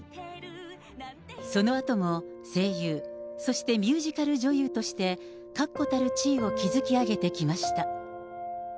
そのあとも声優、そしてミュージカル女優として、確固たる地位を築き上げてきました。